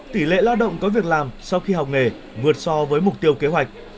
tỷ lệ lao động có việc làm sau khi học nghề vượt so với mục tiêu kế hoạch